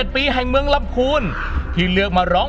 ๕๑ปีแผ่งเมืองลำภูณ